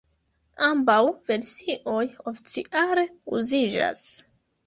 Ambaŭ versioj oficiale uziĝas.